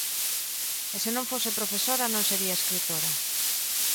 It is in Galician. E se non fose profesora non sería escritora.